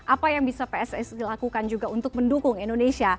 apa yang bisa pss dilakukan juga untuk mendukung indonesia